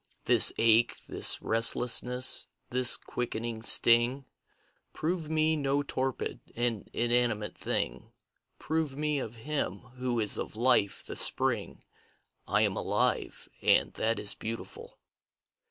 This ache, this restlessness, this quickening sting, Prove me no torpid and inanimate thing, Prove me of Him who is of life the Spring. I am alive! and that is beautiful.